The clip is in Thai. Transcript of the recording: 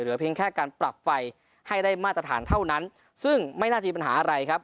เพียงแค่การปรับไฟให้ได้มาตรฐานเท่านั้นซึ่งไม่น่าจะมีปัญหาอะไรครับ